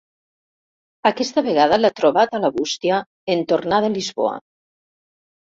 Aquesta vegada l'ha trobat a la bústia, en tornar de Lisboa.